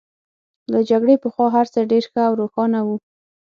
له جګړې پخوا هرڅه ډېر ښه او روښانه وو